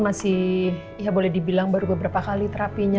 masih ya boleh dibilang baru beberapa kali terapinya